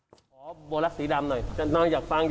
ขอโบรักษ์สีดำเลยอยากฟังด้วย